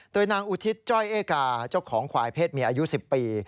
โดยนางอุทิศจ้อยเอกาเจ้าของควายเพศเมียอายุ๑๐ปี